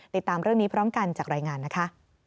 ติดตามเรื่องนี้พร้อมกันจากรายงานนะคะ